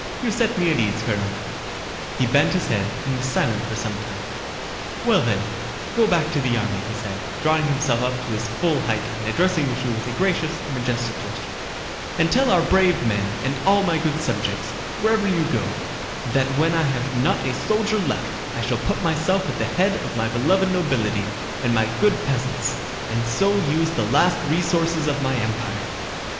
"You set me at ease, Colonel." He bent his head and was silent for some time. "Well, then, go back to the army," he said, drawing himself up to his full height and addressing Michaud with a gracious and majestic gesture, "and tell our brave men and all my good subjects wherever you go that when I have not a soldier left I shall put myself at the head of my beloved nobility and my good peasants and so use the last resources of my empire.